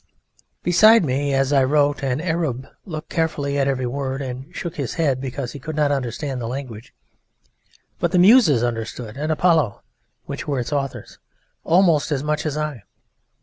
Beside me, as I wrote, an Arab looked carefully at every word and shook his head because he could not understand the language; but the Muses understood and Apollo, which were its authors almost as much as I.